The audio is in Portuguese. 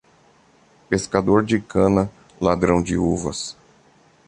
Pescador de cana, ladrão de uvas.